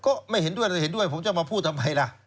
ก็ไม่เห็นด้วยหรือเห็นด้วยผมจะมาพูดทำไมล่ะ